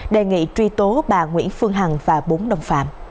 đề nghị truy tố bà nguyễn phương hằng và bốn đồng phạm